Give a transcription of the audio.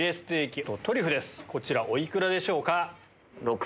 こちらお幾らでしょうか？